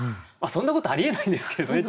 そんなことありえないんですけれどね。